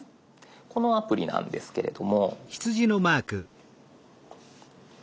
このアプリなんですけれども。